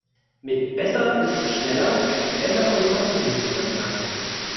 Mit besser ist schneller, effizienter und kostengünstiger gemeint.